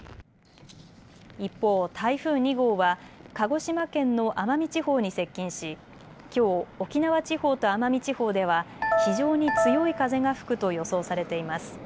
一方、台風２号は鹿児島県の奄美地方に接近しきょう沖縄地方と奄美地方では非常に強い風が吹くと予想されています。